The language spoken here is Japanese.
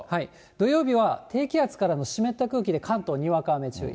土曜日は低気圧からの湿った空気で関東、にわか雨注意。